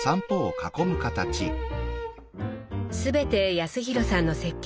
全て康廣さんの設計で？